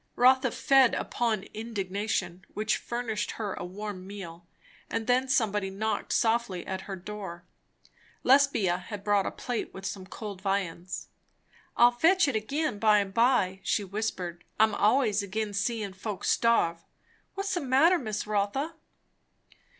Rotha fed upon indignation, which furnished her a warm meal; and then somebody knocked softly at her door. Lesbia had brought a plate with some cold viands. "I'll fetch it agin by and by," she whispered. "I'm allays agin seein' folks starve. What's the matter, Miss Rotha?"